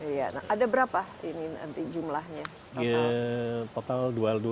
iya nah ada berapa ini nanti jumlahnya